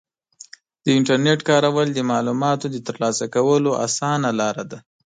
د انټرنیټ کارول د معلوماتو د ترلاسه کولو اسانه لاره ده.